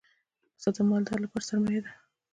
پسه د مالدار لپاره سرمایه ده.